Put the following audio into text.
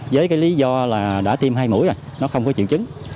với cái lý do là đã tiêm hai mũi rồi nó không có triệu chứng